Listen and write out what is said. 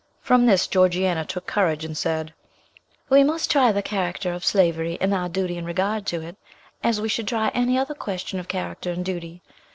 From this Georgiana took courage and said, "We must try the character of slavery, and our duty in regard to it, as we should try any other question of character and duty.